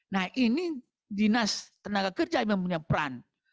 nah ini dinas tenaga kerja yang punya peran